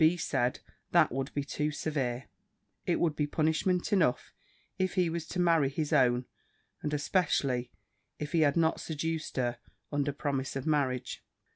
B. said, that would be too severe; it would be punishment enough, if he was to marry his own; and especially if he had not seduced her under promise of marriage.